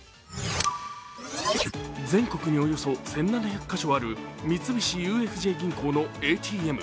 全国におよそ１７００か所ある三菱ＵＦＪ銀行のＡＴＭ。